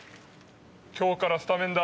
今日からスタメンだ。